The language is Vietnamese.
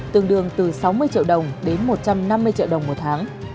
tương đương từ sáu mươi triệu đồng đến một trăm năm mươi triệu đồng một tháng